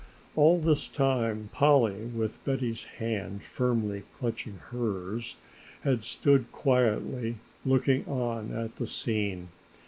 All this time Polly, with Betty's hand firmly clutching hers, had stood quietly looking on at the scene.